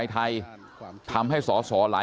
ขอบคุณเลยนะฮะคุณแพทองธานิปรบมือขอบคุณเลยนะฮะ